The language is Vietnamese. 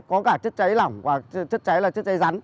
có cả chất cháy lỏng và chất cháy là chất cháy rắn